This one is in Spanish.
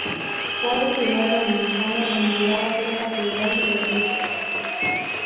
Fue el primer dominicano en llegar a ser cardenal de la Iglesia católica.